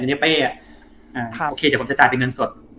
อยู่ในเป้อ่ะครับโอเคเดี๋ยวผมจะจ่ายเป็นเงินสด